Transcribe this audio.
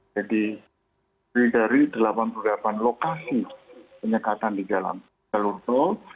jadi dari delapan puluh delapan lokasi penyekatan di jalan jalur tol